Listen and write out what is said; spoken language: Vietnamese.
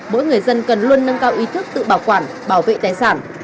mỗi người dân cần luôn nâng cao ý thức tự bảo quản bảo vệ tài sản